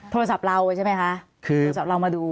โทรศัพท์เราใช่ไหมคะคือโทรศัพท์เรามาดู